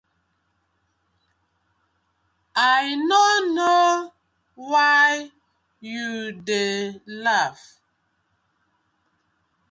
I no no wai yu dey laff.